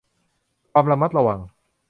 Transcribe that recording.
ความระมัดระวัง